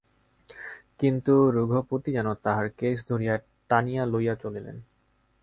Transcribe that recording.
কিন্তু রঘুপতি যেন তাঁহার কেশ ধরিয়া টানিয়া লইয়া চলিলেন।